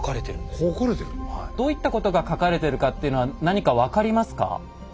どういったことが書かれてるかというのは何か分かりますか？